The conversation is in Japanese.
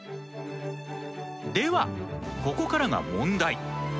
ではここからが問題！